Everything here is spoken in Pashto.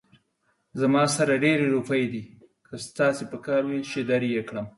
زما سره ډېرې روپۍ دي، که ستاسې پکار وي، چې در يې کړم